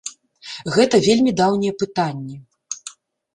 Гэта вельмі даўнія пытанні.